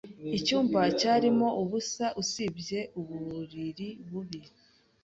Icyumba cyarimo ubusa usibye uburiri bubi.